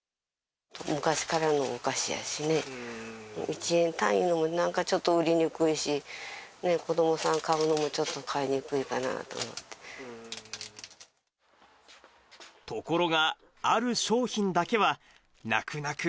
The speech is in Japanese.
昔からのお菓子やしね、１円単位の、なんかちょっと、売りにくいし、子どもさん、買うのもちょっと買いにくいかなと思って。